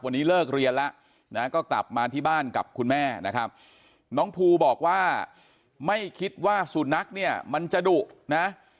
วันนี้เลิกเรียนแล้วก็กลับมาที่บ้านกับคุณแม่นะครับน้องภูบอกว่าไม่คิดว่าสุนัขเนี่ยมันจะดุนะ